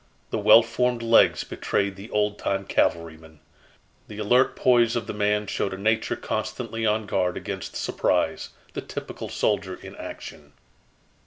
The well formed legs betrayed the old time calvalryman. The alert poise of the man showed a nature constantly on guard against surprise the typical soldier in action.